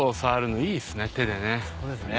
そうですね。